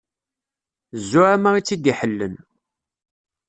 Zzuɛama i tt-id-iḥellen.